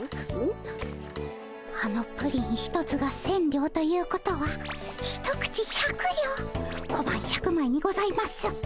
あのプリン一つが千両ということは一口百両小判１００まいにございます。